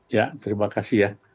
ya terima kasih ya